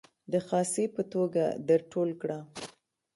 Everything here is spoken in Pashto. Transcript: د خاصې په توګه در ټول کړه.